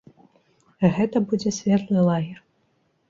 Гэта будзе светлы лагер.